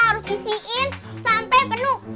harus isiin sampe penuh